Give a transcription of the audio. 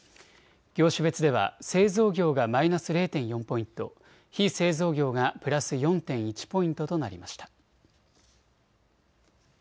業種別では製造業がマイナス０．４ポイント、非製造業がプラス４．１ポイントとなりました。